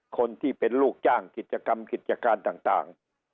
คนที่เป็นลูกจ้างกิจกรรมกิจการต่าง